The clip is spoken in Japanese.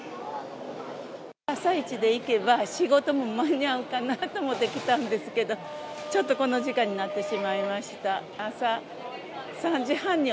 朝一で行けば、仕事も間に合うかなと思って着たんですけれども、ちょっとこの時間になってしまいました。